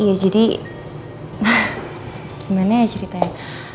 ya jadi gimana ya ceritanya